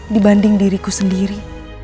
dibanding diriku sendiri